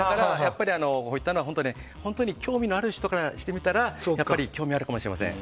こういったものは本当に興味がある人からしてみたら興味あるかもしれません。